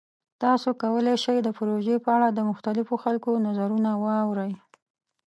تاسو کولی شئ د پروژې په اړه د مختلفو خلکو نظرونه واورئ.